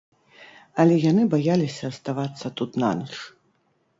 Але яны баяліся аставацца тут нанач.